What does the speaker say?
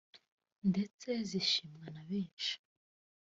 ndetse zishimwa na benshi